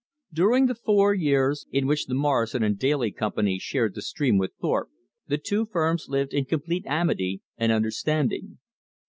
During the four years in which the Morrison & Daly Company shared the stream with Thorpe, the two firms lived in complete amity and understanding.